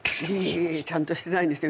ちゃんとしてないんですよ